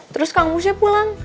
terus kang musnya pulang